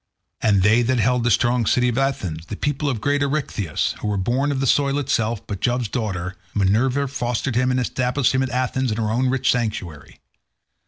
And they that held the strong city of Athens, the people of great Erechtheus, who was born of the soil itself, but Jove's daughter, Minerva, fostered him, and established him at Athens in her own rich sanctuary.